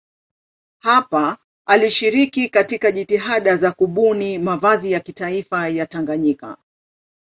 Hapa alishiriki katika jitihada za kubuni mavazi ya kitaifa ya Tanganyika.